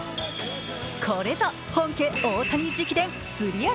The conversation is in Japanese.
これぞ本家大谷直伝すり足